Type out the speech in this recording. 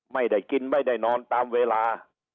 ไม่ได้กินไม่ได้นอนตามเวลา